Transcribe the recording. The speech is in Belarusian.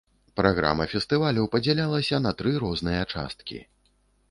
Праграма фестывалю падзялялася на тры розныя часткі.